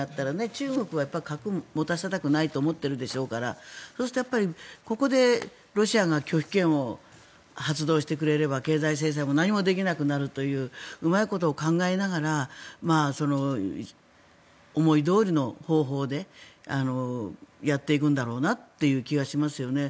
中国は核を持たせたくないと思っているでしょうからそうすると、ここでロシアが拒否権を発動してくれれば経済制裁も何もできなくなるといううまいことを考えながら思いどおりの方法でやっていくんだろうなっていう気はしますよね。